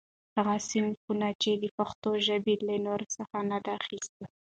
غه صنفونه، چي پښتوژبي له نورڅخه نه دي اخستي.